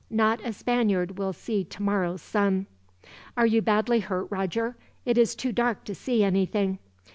Not a Spaniard will see tomorrow's sun. "Are you badly hurt, Roger? It is too dark to see anything."